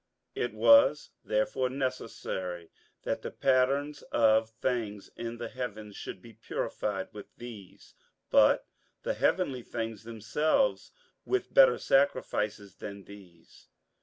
58:009:023 It was therefore necessary that the patterns of things in the heavens should be purified with these; but the heavenly things themselves with better sacrifices than these.